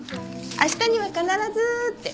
「あしたには必ず」って。